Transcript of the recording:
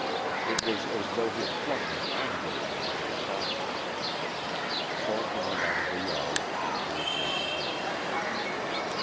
It was as though he had flung them angrily into their sockets. Thornton went out of the yard and to his waiting horse.